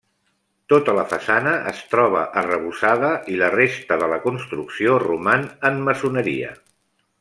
Tota la façana es troba arrebossada i la resta de la construcció roman en maçoneria.